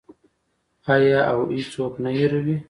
آیا او هیڅوک نه هیروي؟